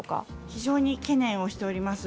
非常に懸念しています。